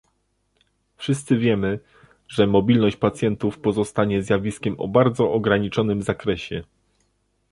Wszyscy wiemy, że mobilność pacjentów pozostanie zjawiskiem o bardzo ograniczonym zakresie